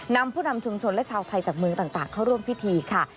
นำผู้นำชุมชนและชาวไทยจากเมืองต่างเข้าร่วมพิธีค่ะ